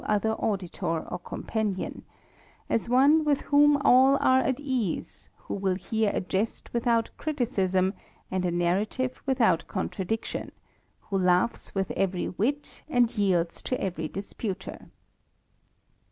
other auditor or companion j as one with vrhom all are a ease, who will hear a jest without criticism, and a nanatii without contradiction, who laughs with every wit, and yidd to every disputer.